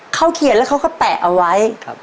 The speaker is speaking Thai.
เขาเขียนแล้วเขาก็แปะเอาไว้